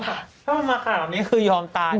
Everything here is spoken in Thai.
ถ้ามันมาข่าวแบบนี้คือยอมตาย